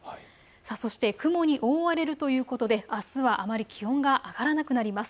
そして雲に覆われるということであすは気温があまり上がらなくなります。